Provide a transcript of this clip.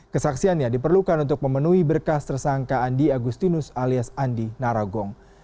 kesaksiannya diperlukan untuk memenuhi berkas tersangka andi agustinus alias andi narogong